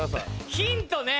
ヒントね